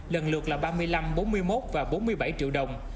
lần lượt là ba mươi năm bốn mươi một và bốn mươi bảy triệu đồng